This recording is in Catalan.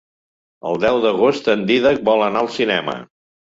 El deu d'agost en Dídac vol anar al cinema.